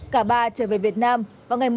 cả ba trở về việt nam vào ngày một mươi bảy tháng một